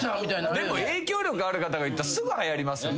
でも影響力がある方が言ったらすぐはやりますよね。